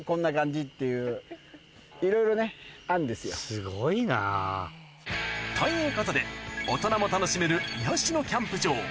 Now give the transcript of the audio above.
すごいな。ということで大人も楽しめる癒やしのキャンプ場